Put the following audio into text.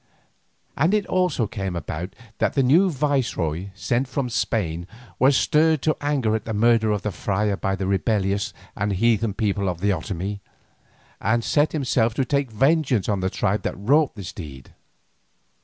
And it came about also, that the new viceroy sent from Spain was stirred to anger at the murder of the friar by the rebellious and heathen people of the Otomie, and set himself to take vengeance on the tribe that wrought the deed.